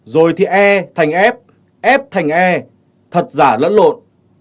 rồi thì e thành ép f thành e thật giả lẫn lộn